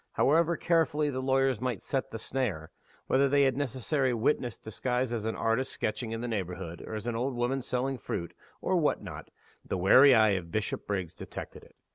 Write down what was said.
However carefully the lawyers might set the snare whether they had their necessary "witness" disguised as an artist sketching in the neighborhood, or as an old woman selling fruit, or what not the wary eye of Bishopriggs detected it.